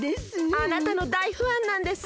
あなたのだいファンなんです。